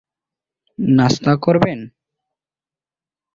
নাস্তা করবেন?